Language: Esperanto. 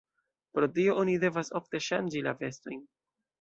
Pro tio oni devas ofte ŝanĝi la vestojn.